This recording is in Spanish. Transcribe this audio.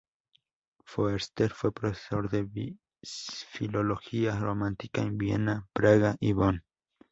Foerster fue profesor de filología románica en Viena, Praga y Bonn.